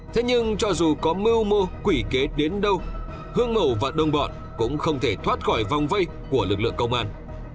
thế nhưng cho dù có mưu mô quỷ kế đến đâu hương mầu và đồng bọn cũng không thể thoát khỏi vòng vây của lực lượng công an